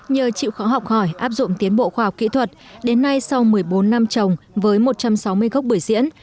nhờ chịu khó học hỏi áp dụng tiến bộ khoa học kỹ thuật đến nay sau một mươi bốn năm trồng với một trăm sáu mươi gốc bưởi diễn